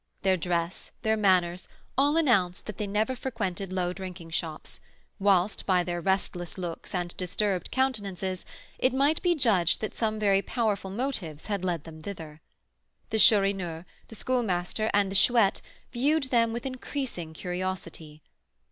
Their dress, their manners, all announced that they never frequented low drinking shops, whilst, by their restless looks and disturbed countenances, it might be judged that some very powerful motives had led them hither. The Chourineur, the Schoolmaster, and the Chouette viewed them with increasing curiosity.